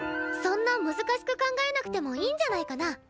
そんな難しく考えなくてもいいんじゃないかな。